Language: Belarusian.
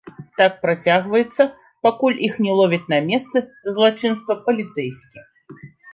Так працягваецца, пакуль іх не ловіць на месцы злачынства паліцэйскі.